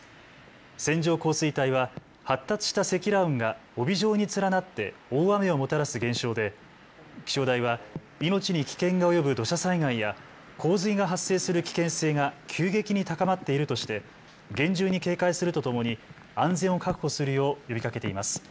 線状降水帯は発達した積乱雲が帯状に連なって大雨をもたらす現象で気象台は命に危険が及ぶ土砂災害や洪水が発生する危険性が急激に高まっているとして厳重に警戒するとともに安全を確保するよう呼びかけています。